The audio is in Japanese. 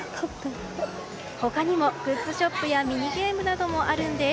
他にもグッズショップやミニゲームなどもあるんです。